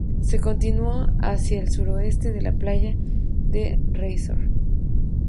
Su continuación hacia el suroeste es la playa de Riazor.